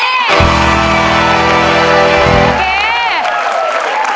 โอเค